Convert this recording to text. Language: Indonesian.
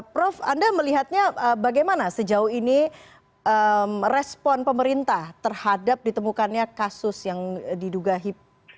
prof anda melihatnya bagaimana sejauh ini respon pemerintah terhadap ditemukannya kasus yang diduga hip